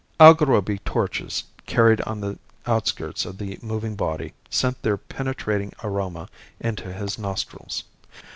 Algarrobe torches carried on the outskirts of the moving body sent their penetrating aroma into his nostrils.